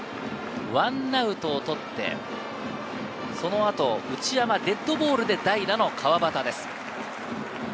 １アウトを取って、その後、内山デッドボールで代打の川端です。